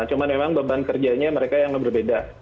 cuma memang beban kerjanya mereka yang berbeda